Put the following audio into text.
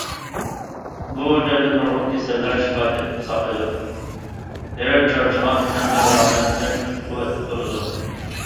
بۇ جايدا نۇرغۇن كېسەللەر شىپا تېپىپ ساقىيدۇ، ھېرىپ چارچىغان تەنلەر راھەتلىنىپ، كۈچ- قۇۋۋەتكە تولىدۇ.